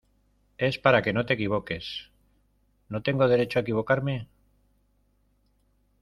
es para que no te equivoques. ¿ no tengo derecho a equivocarme?